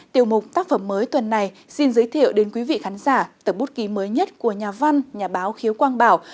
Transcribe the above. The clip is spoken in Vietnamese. tiểu mục tác phẩm mới tuần này xin giới thiệu đến quý vị khán giả tập bút ký mới nhất của nhà văn nhà báo khiếu quang bảo